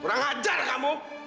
kurang ajar kamu